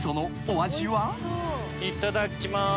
いただきます。